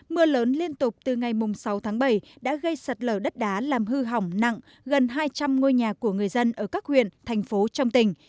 mưa lớn liên tục từ ngày sáu tháng bảy đã gây sạt lở đất đá làm hư hỏng nặng gần hai trăm linh ngôi nhà của người dân ở các huyện thành phố trong tỉnh